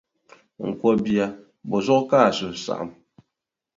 N ko bia, bɔ zuɣu ka a suhu saɣim?